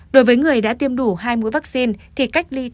đối với người đã tiêm đủ hai mũi vaccine thì cách ly tại nhà